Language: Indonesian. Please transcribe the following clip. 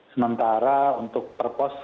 sementara untuk perpos